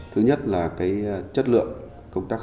thứ nhất là cái chất lượng